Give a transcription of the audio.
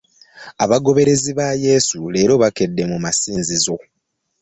Abagoberezi ba Yesu leero bakedde mu masinzizo.